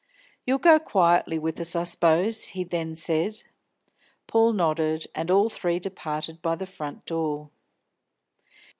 "You'll go quietly with us, I suppose?" he then said. Paul nodded, and all three departed by the front door.